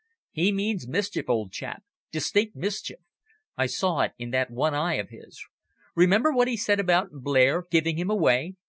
He means mischief, old chap distinct mischief. I saw it in that one eye of his. Remember what he said about Blair giving him away.